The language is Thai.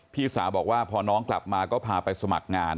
พี่สาวบอกว่าพอน้องกลับมาก็พาไปสมัครงาน